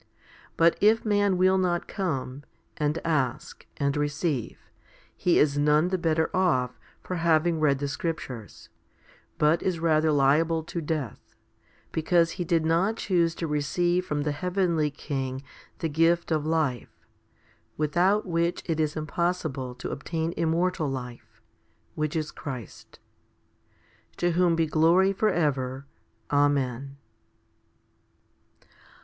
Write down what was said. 1 But if man will not come, and ask, and receive, he is none the better off for having read the scriptures, but is rather liable to death, because he did not choose to receive from the heavenly King the gift of life, without which it is impossible to obtain immortal life, which is Christ. .To whom be glory for ever. Amen.